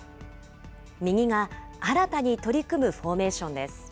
右が新たに取り組むフォーメーションです。